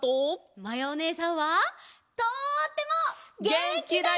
まやおねえさんはとっても。げんきだよ！